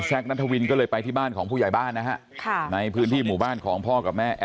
พ่อไม่รู้ว่าลูกสาวท้องหรือไม่ท้องเลยหรือ